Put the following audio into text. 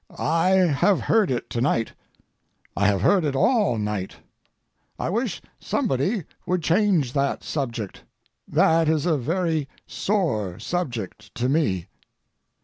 I have heard it to night. I have heard it all night. I wish somebody would change that subject; that is a very sore subject to me.